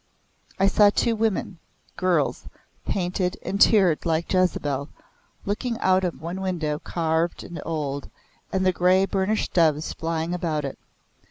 I saw two women girls painted and tired like Jezebel, looking out of one window carved and old, and the grey burnished doves flying about it.